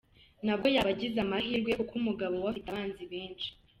Nabwo yaba agize amahirwe kuko umugabo we afite abanzi benshi.